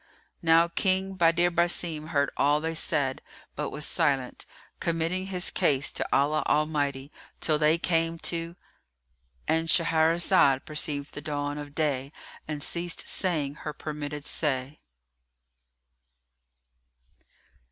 Now King Badr Basim heard all they said, but was silent, committing his case to Allah Almighty, till they came to——And Shahrazad perceived the dawn of day and ceased saying her permitted say.